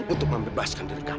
untuk membebaskan diri kamu